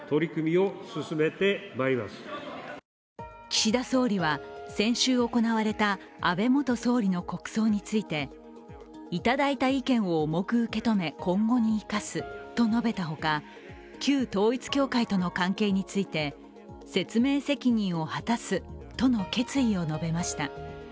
岸田総理は、先週行われた安倍元総理の国葬についていただいた意見を重く受け止め、今後に生かすと述べたほか、旧統一教会との関係について、説明責任を果たすとの決意を述べました。